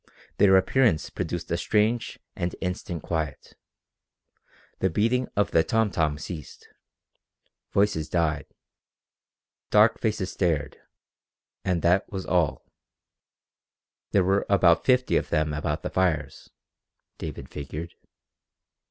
Their appearance produced a strange and instant quiet. The beating of the tom tom ceased. Voices died. Dark faces stared and that was all. There were about fifty of them about the fires, David figured.